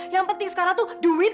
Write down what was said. yang penting sekarang tuh duit